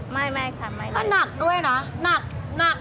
ไม่ค่ะไม่ได้ถ้านักด้วยนะ